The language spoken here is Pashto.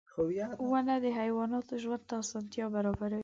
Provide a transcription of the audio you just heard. • ونه د حیواناتو ژوند ته اسانتیا برابروي.